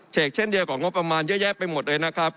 เช่นเดียวกับงบประมาณเยอะแยะไปหมดเลยนะครับ